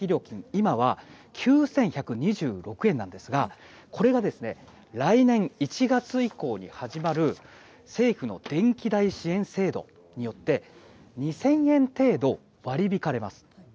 今は９１２６円なんですがこれが、来年１月以降に始まる政府の電気代支援制度によって２０００円程度割り引かれます。